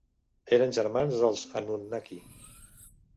Eren germans dels Anunnaki.